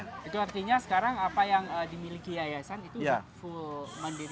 itu artinya sekarang apa yang dimiliki yayasan itu full mandiri